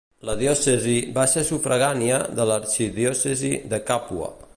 La diòcesi va ser sufragània de l'arxidiòcesi de Càpua.